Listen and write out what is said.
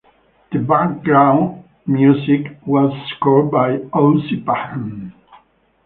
The background music was scored by Ouseppachan.